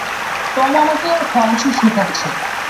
Tom আমাকে ফরাসি শেখাচ্ছে।